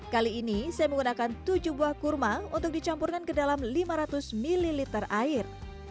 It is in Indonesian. kali ini saya menggunakan tujuh buah kurma untuk dicampurkan ke dalam lima ratus ml air